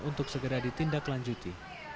untuk segera ditindak lanjuti